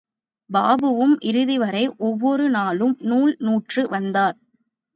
பாபுவும் இறுதிவரை ஒவ்வொரு நாளும் நூல் நூற்று வந்தார்.